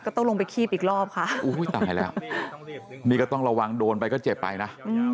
ต้องลงไปคีบอีกรอบค่ะอุ้ยตายแล้วนี่ก็ต้องระวังโดนไปก็เจ็บไปนะ